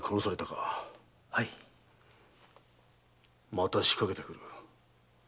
また仕掛けてくる。